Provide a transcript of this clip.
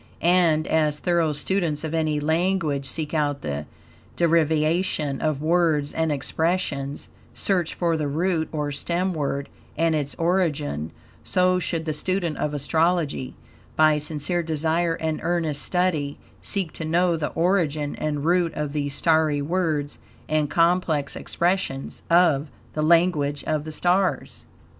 And, as thorough students of any language seek out the derivation of words and expressions, search for the root, or stem word, and its origin, so should the student of astrology, by sincere desire and earnest study, seek to know the origin and root of these starry words and complex expressions of the "language of the stars."